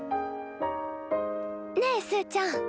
ねえすーちゃん。